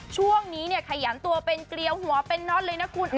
ช่วงนี้เนี่ยขยันตัวเป็นเกลียวหัวเป็นน็อตเลยนะคุณ